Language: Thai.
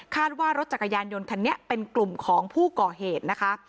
ว่ารถจักรยานยนต์คันนี้เป็นกลุ่มของผู้ก่อเหตุนะคะ